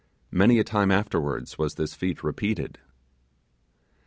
Many a time afterwards was this feat repeated.